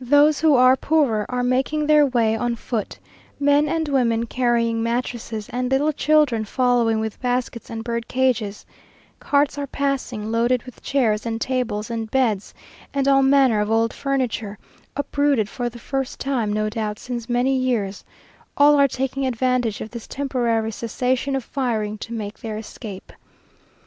Those who are poorer, are making their way on foot men and women carrying mattresses, and little children following with baskets and bird cages carts are passing, loaded with chairs and tables and beds, and all manner of old furniture, uprooted for the first time no doubt since many years all are taking advantage of this temporary cessation of firing to make their escape.